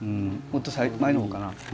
もっと前のほうかな。